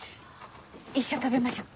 一緒に食べましょう。